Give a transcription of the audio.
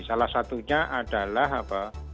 salah satunya adalah apa